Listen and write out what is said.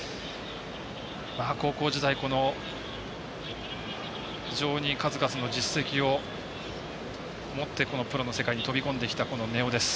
高校時代非常に数々の実績を持ってこのプロの世界に飛び込んできた根尾です。